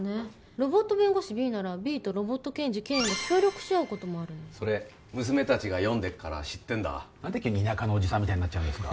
ロボット弁護士ＢならＢとロボット検事ケーンが協力し合うこともあるのにそれ娘達が読んでっから知ってんだ何で急に田舎のおじさんみたいになっちゃうんですか